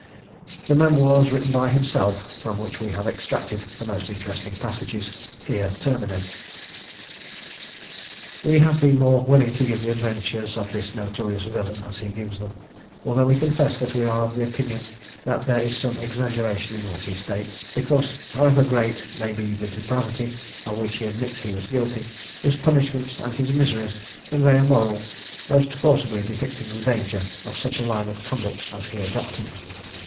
The "Memoirs written by himself," from which we have extracted the most interesting passages, here terminate. We have been the more willing to give the adventures of this notorious villain, as he gives them, although we confess that we are of opinion that there is some exaggeration in what he states because, however great may be the depravity, of which he admits he was guilty, his punishments and his miseries convey a moral, most forcibly depicting the danger of such a line of conduct as he adopted.